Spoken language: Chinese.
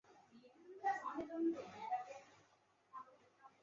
东平尾公园博多之森球技场在福冈县福冈市博多区的东平尾公园内的球场。